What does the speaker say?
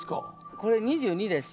これ２２です。